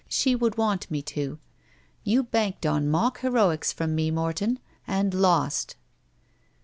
She would want me to. You banked on mock heroics from me, Morton. You lost."